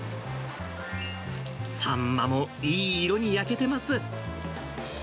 サンマもいい色に焼けてます。